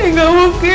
ini gak mungkin